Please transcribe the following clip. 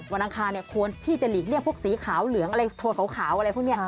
อังคารควรที่จะหลีกเลี่ยพวกสีขาวเหลืองอะไรโทนขาวอะไรพวกนี้